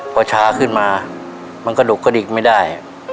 พอชาขึ้นมามันกระดุกกระดิกไม่ได้